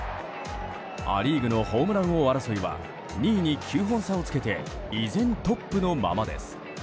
ア・リーグのホームラン王争いは２位に９本差をつけて依然トップのままです。